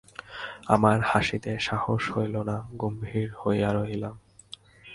আমার হাসিতে সাহস হইল না, গম্ভীর হইয়া রহিলাম।